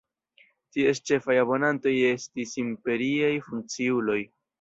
Ties ĉefaj abonantoj estis imperiaj funkciuloj.